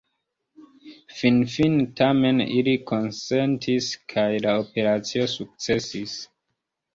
Finfine tamen ili konsentis, kaj la operacio sukcesis.